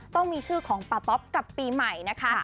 ต้องมีชื่อของป่าต๊อปกับปีใหม่นะคะ